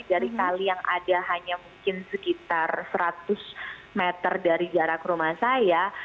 dari kali yang ada hanya mungkin sekitar seratus meter dari jarak rumah saya